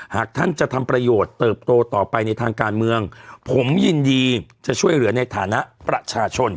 หากท่านจะทำประโยชน์เติบโตต่อไปในทางการเมืองผมยินดีจะช่วยเหลือในฐานะประชาชน